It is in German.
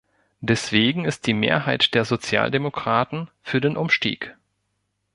Deswegen ist die Mehrheit der Sozialdemokraten für den Umstieg.